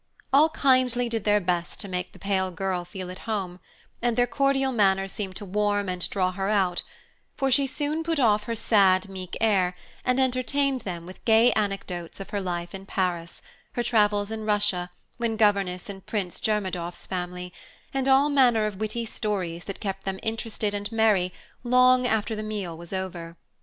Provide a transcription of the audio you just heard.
All kindly did their best to make the pale girl feel at home, and their cordial manner seemed to warm and draw her out; for soon she put off her sad, meek air and entertained them with gay anecdotes of her life in Paris, her travels in Russia when governess in Prince Jermadoff's family, and all manner of witty stories that kept them interested and merry long after the meal was over.